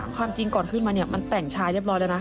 ความจริงก่อนขึ้นมาเนี่ยมันแต่งชายเรียบร้อยแล้วนะ